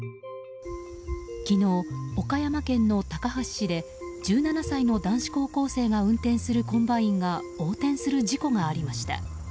昨日、岡山県の高梁市で１７歳の男子高校生が運転するコンバインが横転する事故がありました。